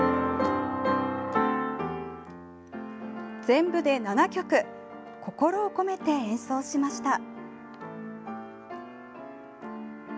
全部で７曲心を込めて演奏しました。